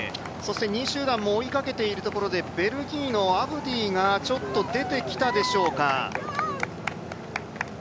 ２位集団も追いかけているところでベルギーのアブディがちょっと出てきたでしょうか。